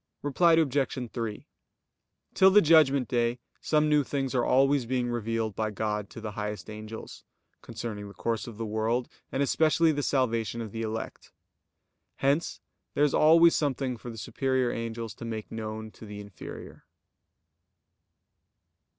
Reply Obj. 3: Till the Judgment Day some new things are always being revealed by God to the highest angels, concerning the course of the world, and especially the salvation of the elect. Hence there is always something for the superior angels to make known to the inferior.